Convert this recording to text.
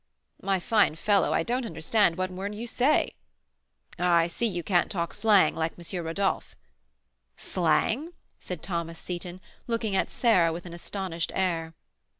'" "My fine fellow, I don't understand one word you say." "I see you can't talk slang like M. Rodolph." "Slang?" said Thomas Seyton, looking at Sarah with an astonished air.